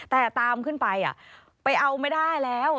แต่ตามขึ้นไปไปเอาไม่ได้แล้ว